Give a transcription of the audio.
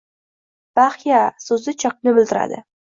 Baxya soʻzi chokni bildiradi